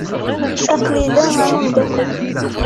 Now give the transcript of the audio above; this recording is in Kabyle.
Aql-i da am umdakel.